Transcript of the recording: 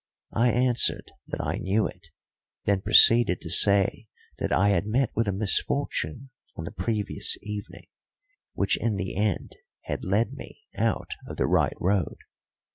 I answered that I knew it; then proceeded to say that I had met with a misfortune on the previous evening, which in the end had led me out of the right road.